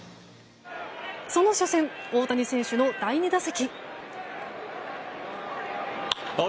その初戦、大谷選手の第２打席。